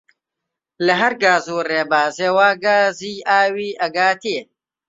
لە هەر گاز و ڕێبازێ وا گازی ئاوی ئەگاتێ